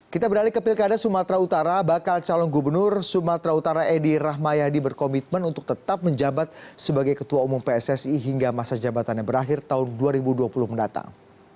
kita beralih ke pilkada sumatera utara bakal calon gubernur sumatera utara edy rahmayadi berkomitmen untuk tetap menjabat sebagai ketua umum pssi hingga masa jabatannya berakhir tahun dua ribu dua puluh mendatang